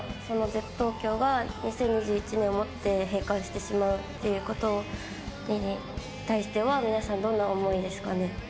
そのＺｅｐｐＴｏｋｙｏが２０２１年をもって閉館してしまうっていうことに対しては皆さんどんな思いですかね？